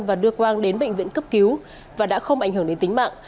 và đưa quang đến bệnh viện cấp cứu và đã không ảnh hưởng đến tính mạng